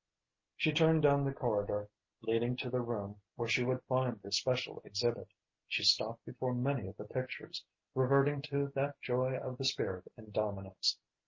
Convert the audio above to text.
She turned down the corridor leading to the room where she would find the special exhibit. She stopped before many of the pictures reverting to that joy of the spirit in dominance.